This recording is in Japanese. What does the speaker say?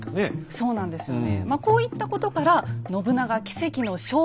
そうなんですよね。